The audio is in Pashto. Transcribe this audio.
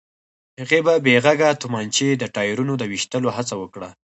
هغې په بې غږه تومانچې د ټايرونو د ويشتلو هڅه وکړه.